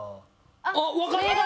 あっわかった！